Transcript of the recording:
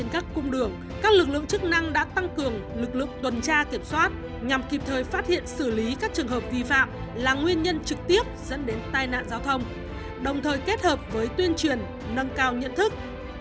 các cung đường các lực lượng chức năng đã tăng cường lực lượng tuần tra kiểm soát nhằm kịp thời phát hiện xử lý các trường hợp vi phạm là nguyên nhân trực tiếp dẫn đến tai nạn giao thông đồng thời kết hợp với tuyên truyền nâng cao nhận thức